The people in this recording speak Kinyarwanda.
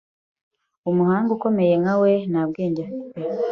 Umuhanga ukomeye nka we, nta bwenge afite.